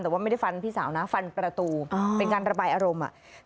แต่ว่าไม่ได้ฟันพี่สาวนะฟันประตูเป็นการระบายอารมณ์อ่ะ